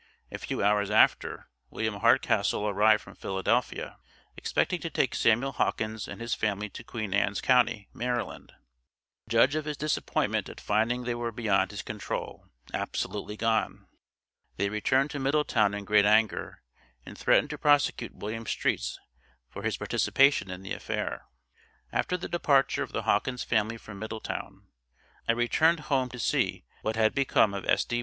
A few hours after, William Hardcastle arrived from Philadelphia, expecting to take Samuel Hawkins and his family to Queen Ann's county, Maryland. Judge of his disappointment at finding they were beyond his control absolutely gone! They returned to Middletown in great anger, and threatened to prosecute William Streets for his participation in the affair. After the departure of the Hawkins family from Middletown, I returned home to see what had become of S.D.